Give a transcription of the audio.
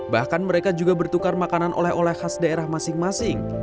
bahkan mereka juga bertukar makanan oleh oleh khas daerah masing masing